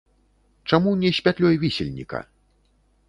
Чаму не з пятлёй вісельніка?